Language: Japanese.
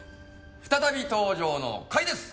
再び登場の甲斐です！